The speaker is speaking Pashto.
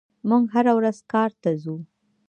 موږ هره ورځ کار ته ځو.